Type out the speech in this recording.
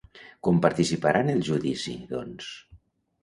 Com participarà en el judici, doncs?